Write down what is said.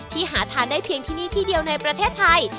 หาทานได้เพียงที่นี่ที่เดียวในประเทศไทย